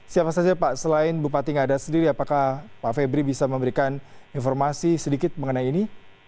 siapa saja pak selain bupati ngada sendiri apakah pak febri bisa memberikan informasi sedikit mengenai ini